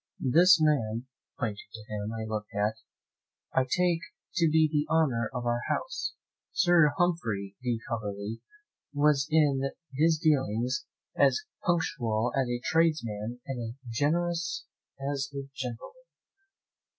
"This man (pointing to him I looked at) I take to be the honour of our house. Sir Humphrey de Coverley; he was in his dealings as punctual as a tradesman and as generous as a gentleman.